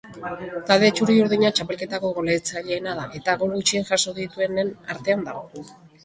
Talde txuriurdina txapelketako goleatzaileena da, eta gol gutxien jaso dituenen artean dago.